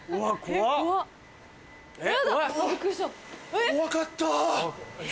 怖かった！